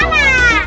ya terus macem mana